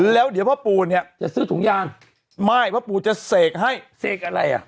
แล้วเดี๋ยวพ่อปู่เนี่ยจะซื้อถุงยางไม่พ่อปู่จะเสกให้เสกอะไรอ่ะ